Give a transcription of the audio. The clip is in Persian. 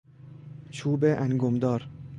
چوب انگمدار